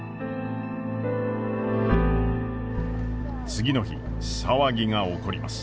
次の日騒ぎが起こります。